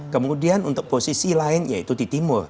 kemudian untuk posisi lain yaitu di timur